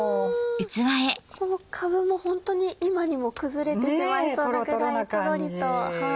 このかぶもホントに今にも崩れてしまいそうなくらいとろりと。